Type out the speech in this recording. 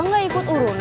enggak ikut urunan